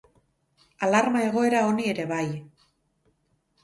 Alarma egoera honi ere bai.